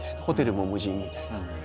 ホテルも無人みたいな。